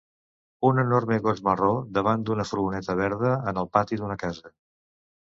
Un enorme gos marró davant d'una furgoneta verda, en el pati d'una casa.